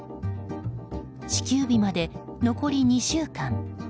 支給日まで残り２週間。